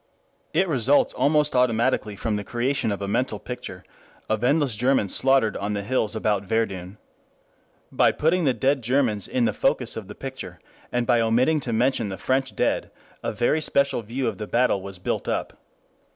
It results almost automatically from the creation of a mental picture of endless Germans slaughtered on the hills about Verdun. By putting the dead Germans in the focus of the picture, and by omitting to mention the French dead, a very special view of the battle was built up.